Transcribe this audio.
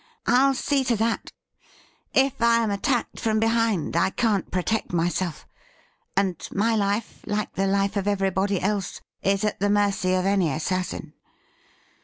' I'll see to that ! If I am attacked from behind I can't protect myself, and my life, like the life of everybody else, is at the mercy of any assassin.